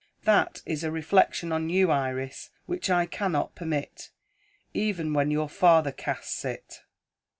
That is a reflection on you, Iris, which I cannot permit, even when your father casts it.